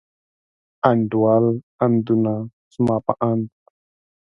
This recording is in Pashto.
انډول، اندونه، زما په اند.